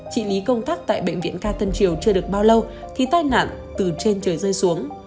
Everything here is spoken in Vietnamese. chị lý công tác tại bệnh viện ca tân triều chưa được bao lâu thì tai nạn từ trên trời rơi xuống